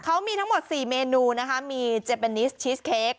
เขามีทั้งหมด๔เมนูนะคะมีเจเปนิสชีสเค้ก